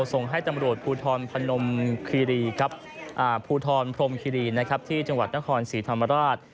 ส่งให้ตำรวจภูทรพนมคีรีภูทรพรมคิรีที่จังหวัดนครศรีธรรมราช